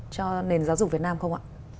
cho nền giáo dục việt nam không ạ